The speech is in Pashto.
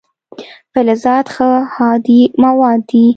فلزات ښه هادي مواد دي.